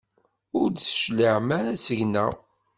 Ur d-tecliɛem ara seg-neɣ?